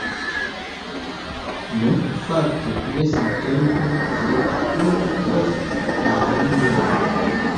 Nu, fakte ne samtempe, sed unu post la alia.